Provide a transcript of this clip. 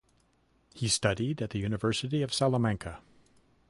He studied at the University of Salamanca.